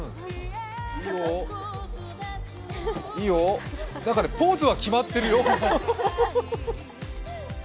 いいよ、何かポーズは決まってるよ。